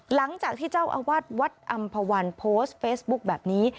หลังจากที่เจ้าอาวาสวัดอำภาวันโพสต์เฟซบุ๊คแบบนี้